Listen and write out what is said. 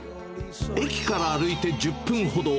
駅から歩いて１０分ほど。